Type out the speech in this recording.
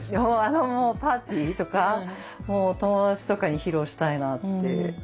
パーティーとかもう友達とかに披露したいなって。